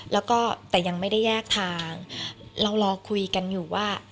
แล้วก็แต่ยังไม่ได้แยกทางเรารอคุยกันอยู่ว่า